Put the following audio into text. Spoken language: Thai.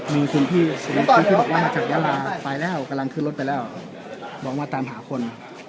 มีคุณพี่ตายแล้วกำลังขึ้นรถไปแล้วบอกว่าตามหาคน